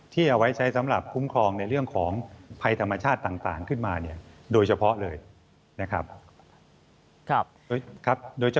ที่เอาไว้ใช้สำหรับคุ้มครองในเรื่องของภัยธรรมชาติต่างขึ้นมาเนี่ยโดยเฉพาะเลยนะครับ